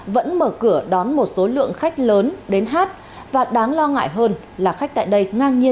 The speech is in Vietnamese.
vẫn mở cửa đón một số lượng khách lớn đến hát và đáng lo ngại hơn là khách tại đây ngang nhiên